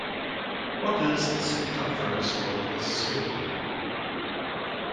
What is the circumference of this circle?